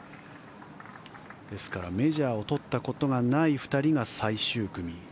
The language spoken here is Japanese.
ですから、メジャーを取ったことがない２人が最終組。